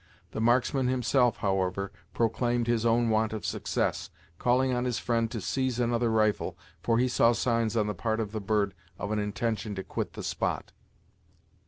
The marksman himself, however, proclaimed his own want of success, calling on his friend to seize another rifle, for he saw signs on the part of the bird of an intention to quit the spot.